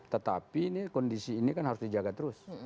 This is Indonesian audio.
tetapi kondisi ini kan harus dijaga terus